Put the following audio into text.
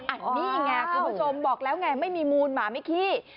อันนี้ไงคุณผู้ชมบอกแล้วไงไม่มีมูลหมาไม่ขี้